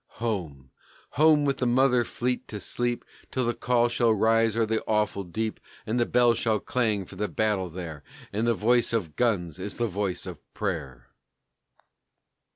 Home! Home! With the mother fleet to sleep Till the call shall rise o'er the awful deep; And the bell shall clang for the battle there, And the voice of guns is the voice of prayer!